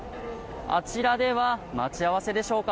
あちらでは待ち合わせでしょうか。